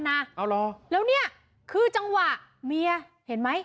เอาเหรอแล้วเนี่ยคือจังหวะเมียเห็นไหม